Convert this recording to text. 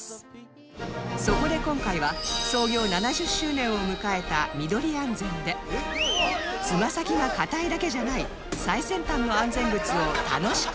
そこで今回は創業７０周年を迎えたミドリ安全でつま先が硬いだけじゃない最先端の安全靴を楽しく体感